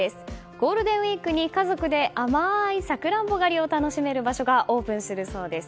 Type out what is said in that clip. ゴールデンウィークに家族で甘いサクランボ狩りを楽しめる場所がオープンするそうです。